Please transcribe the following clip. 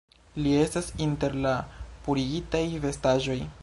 Li estas inter la purigitaj vestaĵoj